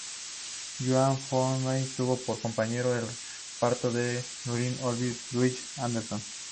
Joan Fontaine tuvo por compañeros de reparto a Laurence Olivier y Judith Anderson.